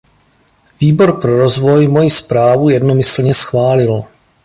Výbor pro rozvoj moji zprávu jednomyslně schválil.